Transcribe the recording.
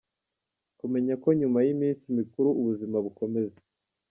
Kumenya ko nyuma y’iminsi mikuru ubuzima bukomeza.